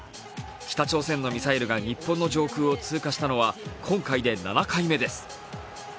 北朝鮮のミサイルが日本の上空を通過したのは今回で７回目です。